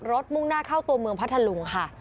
มุ่งหน้าเข้าตัวเมืองพัทธลุงค่ะ